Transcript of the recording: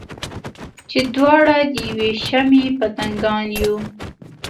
چې دواړه د یوې شمعې پتنګان یو.